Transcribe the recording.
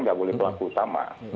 enggak boleh pelaku utama